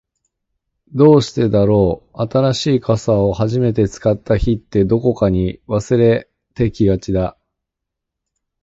どうしてだろう、新しい傘を初めて使った日って、どこかに忘れてきがちだ。